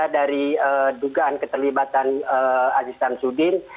dari dugaan keterlibatan aziz samsudin